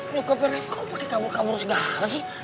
nyokapnya reva kok pake kabur kabur segala sih